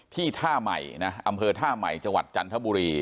ที่ท่าใหม่นะอำเภอท่าใหม่จังหวัดจันทบุรี